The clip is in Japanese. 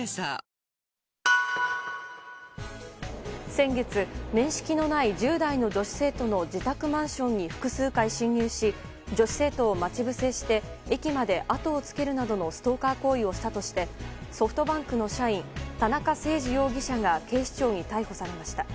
先月、面識のない１０代の女子生徒の自宅マンションに複数回侵入し女子生徒を待ち伏せして駅まであとをつけるなどのストーカー行為をしたとしてソフトバンクの社員田中誠司容疑者が警視庁に逮捕されました。